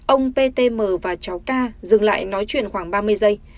ông ptm và cháu ca dừng lại nói chuyện khoảng ba mươi giây